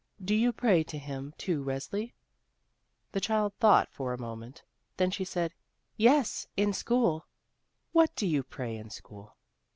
Do you pray to Him, too, Resli?" The child thought '3r a moment, then she said; "Yes, in school." 40 THE ROSE CHILD "What do you pray in school?"